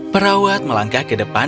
perawat melangkah ke depan